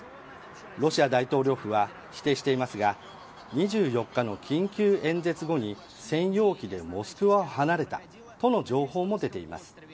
ロシア大統領府は否定していますが２４日の緊急演説後に専用機でモスクワを離れたとの情報も出ています。